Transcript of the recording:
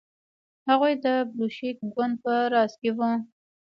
هغوی د بلشویک ګوند په راس کې وو.